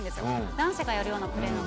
男子がやるようなプレーなので。